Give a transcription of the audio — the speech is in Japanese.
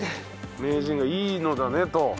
名人が「いいのだね」と。